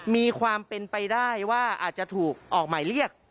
มีความเป็นไปได้ว่าอาจจะถูกออกหมายเรียก